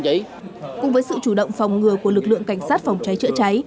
đấy cùng với sự chủ động phòng ngừa của lực lượng cảnh sát phòng cháy chữa cháy